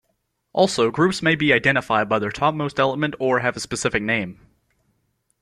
Also, groups may be identified by their topmost element or have a specific name.